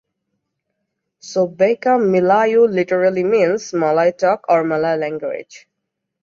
So Beka Melayu literally means "Malay talk" or "Malay language".